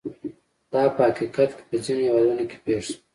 دا په حقیقت کې په ځینو هېوادونو کې پېښ شول.